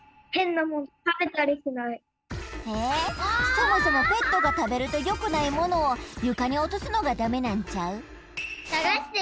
そもそもペットがたべるとよくないものをゆかにおとすのがダメなんちゃう？